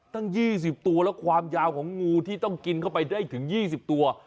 ตั้ง๒๐ตัวแล้วความยาวของงูที่ต้องกินเข้าไปได้ถึง๒๐ตัว